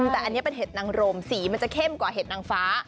แต่อันนี้เป็นเห็ดนางรมสีมันจะเข้มกว่าเห็ดนางฟ้า